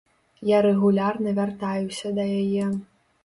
Я рэгулярна вяртаюся да яе.